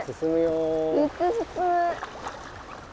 めっちゃすすむ。